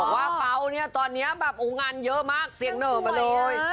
บอกว่าเฟ้าตอนนี้งานเยอะมากเสียงเหนอะไปเลย